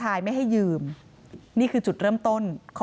นายพิรายุนั่งอยู่ติดกันแบบนี้นะคะ